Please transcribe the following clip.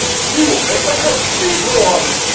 we will make a cathedral of it!